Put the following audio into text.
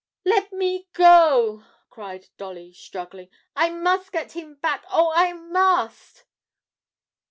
'Let me go!' cried Dolly, struggling; 'I must get him back oh, I must!'